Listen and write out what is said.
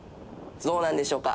「どうなんでしょうか？」